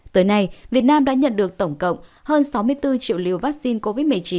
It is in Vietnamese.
tới nay việt nam đã nhận được tổng cộng hơn sáu mươi bốn triệu liều vaccine covid một mươi chín